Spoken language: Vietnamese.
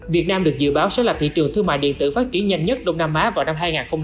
việt nam được dự báo sẽ là thị trường thương mại điện tử phát triển nhanh nhất đông nam á vào năm hai nghìn hai mươi